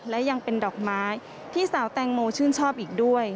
และยังเป็นดอกไม้ที่สาวแตงโมชื่นชอบอีกด้วย